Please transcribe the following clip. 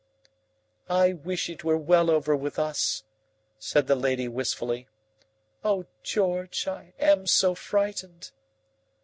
"I wish it were well over with us," said the lady wistfully. "Oh, George, I am so frightened."